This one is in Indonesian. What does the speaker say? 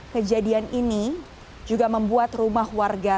kejadian ini juga membuat rumah warga